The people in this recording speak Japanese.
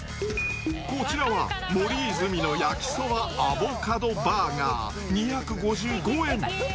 こちらは森泉の焼きそばアボカドバーガー２５５円。